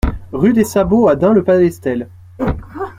Rue des Sabots à Dun-le-Palestel